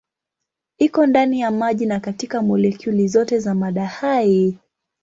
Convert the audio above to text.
Iko ndani ya maji na katika molekuli zote za mada hai.